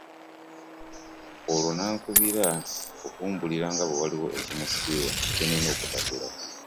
Olwo n'ankubira okumbuulira nga bwe waliwo ekimusiiwa kye nnina okutakula.